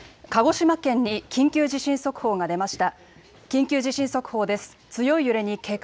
鹿児島県に緊急地震速報が出ました。